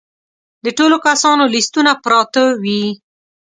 د ټولو کسانو لیستونه پراته وي.